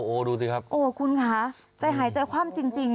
โอ้โหดูสิครับโอ้คุณค่ะใจหายใจคว่ำจริง